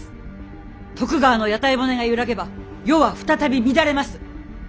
徳川の屋台骨が揺らげば世は再び乱れます。